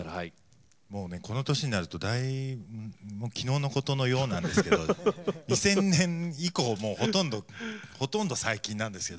もうねこの年になると昨日のことのようなんですけど２０００年以降ほとんど最近なんですけど。